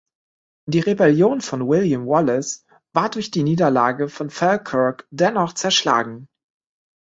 Die Rebellion von William Wallace war durch die Niederlage von Falkirk dennoch zerschlagen.